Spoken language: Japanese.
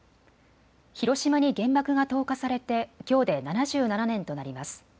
広島に原爆が投下されてきょうで７７年となります。